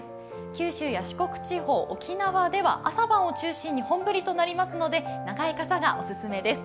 九州や四国地方、沖縄では朝晩を中心に本降りとなりますので、長い傘がオススメです。